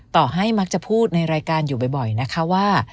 ต่อให้มักจะพูดในรายการอยู่บ่อยนะคะว่า